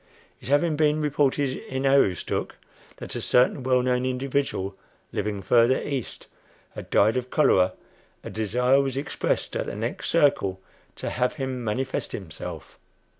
It having been reported in Aroostook that a certain well known individual, living further east, had died of cholera, a desire was expressed at the next "circle" to have him "manifest" himself.